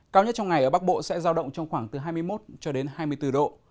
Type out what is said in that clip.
cao nhất trong ngày ở bắc bộ sẽ giao động trong khoảng từ hai mươi một cho đến hai mươi bốn độ